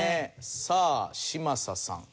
さあ嶋佐さん。